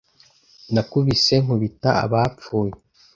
Nakubise nkubita abapfuye,